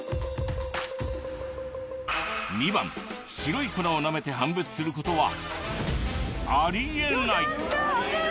２番白い粉をなめて判別することは危ない！